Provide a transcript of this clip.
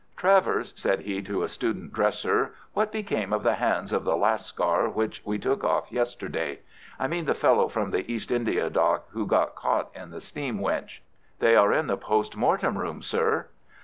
"Travers," said he to a student dresser, "what became of the hands of the Lascar which we took off yesterday? I mean the fellow from the East India Dock who got caught in the steam winch." "They are in the post mortem room, sir."